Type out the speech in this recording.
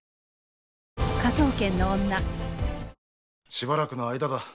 しばらくの間だ。